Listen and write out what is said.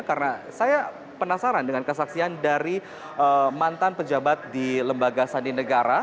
karena saya penasaran dengan kesaksian dari mantan pejabat di lembaga sandi negara